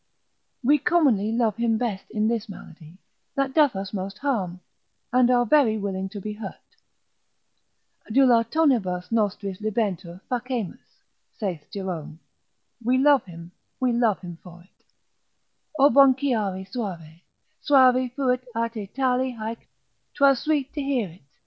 We commonly love him best in this malady, that doth us most harm, and are very willing to be hurt; adulationibus nostris libentur facemus (saith Jerome) we love him, we love him for it: O Bonciari suave, suave fuit a te tali haec tribui; 'Twas sweet to hear it.